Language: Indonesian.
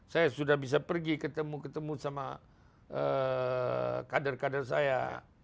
saya sudah bisa pergi ketemu ketemu sama kader kader saya